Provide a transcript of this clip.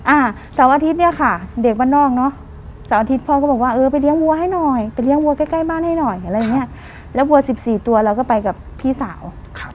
อ่าเสาร์อาทิตย์เนี่ยค่ะเด็กบ้านนอกเนอะเสาร์อาทิตย์พ่อก็บอกว่าเออไปเลี้ยงวัวให้หน่อยไปเลี้ยวัวใกล้ใกล้บ้านให้หน่อยอะไรอย่างเงี้ยแล้ววัวสิบสี่ตัวเราก็ไปกับพี่สาวครับ